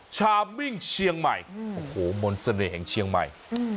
ชามิ้งเชียงใหม่โหมนต์เสน่ห์ของเชียงใหม่